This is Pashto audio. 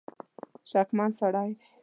شکمن سړی دی.